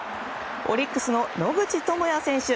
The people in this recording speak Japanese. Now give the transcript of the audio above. オリックスの野口智哉選手。